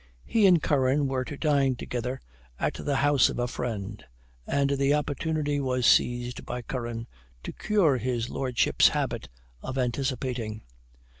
He and Curran were to dine together at the house of a friend, and the opportunity was seized by Curran to cure his lordship's habit of anticipating.